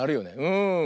うん。